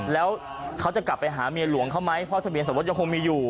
แล้วเขาจะกลับไปหาเมียหลวงเขาไหมเพราะทะเบียนสมรสยังคงมีอยู่